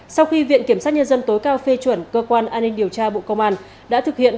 sau khi viện kiểm sát nhân dân tối cao phê chuẩn cơ quan an ninh điều tra bộ công an đã thực hiện